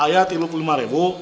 saya tiga puluh lima ribu